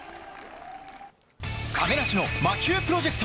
亀梨の魔球プロジェクト。